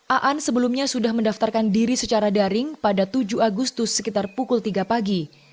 aan sebelumnya sudah mendaftarkan diri secara daring pada tujuh agustus sekitar pukul tiga pagi